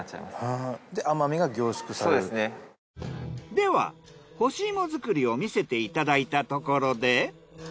では干し芋作りを見せていただいたところで。